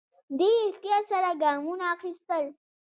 دی احتیاط سره ګامونه اخيستل.